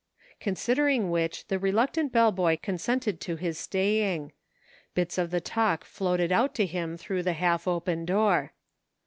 Considering which the reluctant bell boy con sented to his staying. Bits of the talk floated out to him through the half open door.